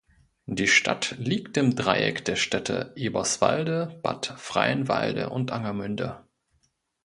Die Stadt liegt im Dreieck der Städte Eberswalde, Bad Freienwalde und Angermünde.